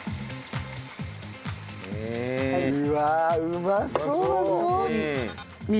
うわうまそうだぞ。